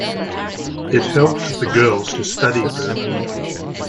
It helped the girls to study further.